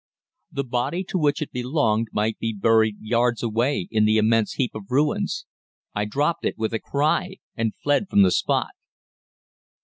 The body to which it belonged might be buried yards away in the immense heap of ruins. I dropped it with a cry, and fled from the spot.